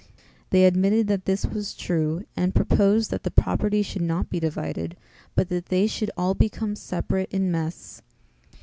They admitted that this was true and proposed that the property should not be divided but that they should all become separate in mess.